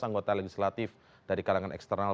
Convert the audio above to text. anggota legislatif dari kalangan eksternal